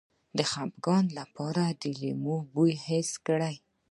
د خپګان لپاره د لیمو بوی حس کړئ